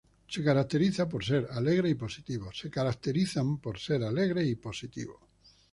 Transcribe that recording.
Se caracterizan por ser alegres y positivos.